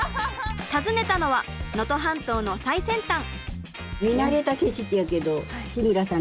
訪ねたのは能登半島の最先端。